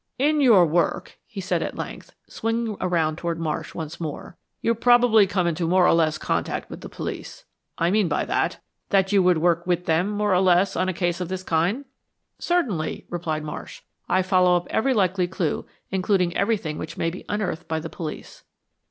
"In your work," he said at length, swinging around toward Marsh once more, "you probably come into more or less close contact with the police. I mean by that, that you would work with them more or less on a case of this kind." "Certainly," replied Marsh. "I follow up every likely clue, including everything which may be unearthed by the police."